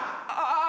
あ